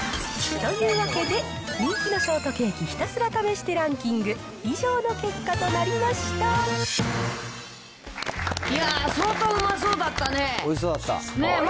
というわけで、人気のショートケーキひたすら試してランキング、いや、おいしそうだった。